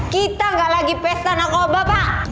kita gak lagi pesta nakal bapak